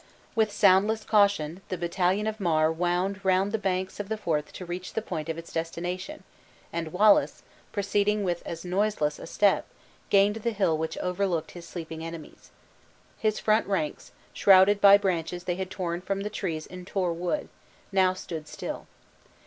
With soundless caution, the battalion of Mar wound round the banks of the Forth to reach the point of its destination; and Wallace, proceeding with as noiseless a step, gained the hill which overlooked his sleeping enemies. His front ranks, shrouded by branches they had torn from the trees in Tor Wood, now stood still.